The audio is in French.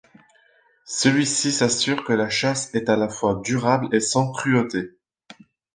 Celui-ci s'assure que la chasse est à la fois durable et sans cruauté.